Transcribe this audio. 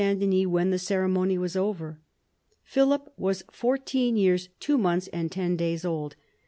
Denys when the ceremony was over. Philip was fourteen years two months and ten days old.